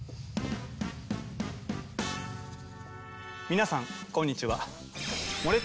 皆さんこんにちは。